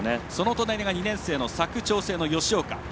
隣が２年生佐久長聖の吉岡。